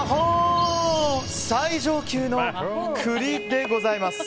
最上級の栗でございます。